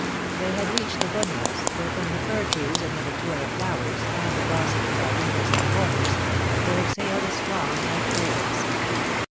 They had reached The Bunyas, whera from the fir trees and the datura flovers, and the blossoming jjardenias in the borders, there exhaled a strong night fragrance.